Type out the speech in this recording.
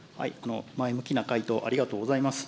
前向きな回答、ありがとうございます。